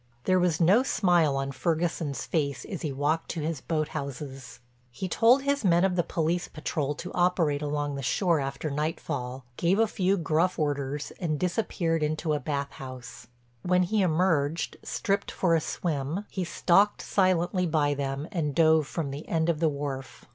There was no smile on Ferguson's face as he walked to his boat houses. He told his men of the police patrol—to operate along the shore after nightfall—gave a few gruff orders and disappeared into a bath house. When he emerged, stripped for a swim, he stalked silently by them and dove from the end of the wharf.